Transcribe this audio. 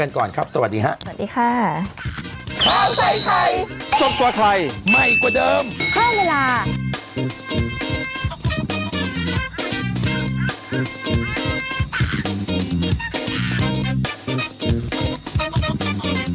กันก่อนครับสวัสดีฮะสวัสดีค่ะ